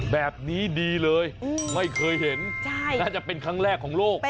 แบบนี้ดีเลยไม่เคยเห็นน่าจะเป็นครั้งแรกของโลก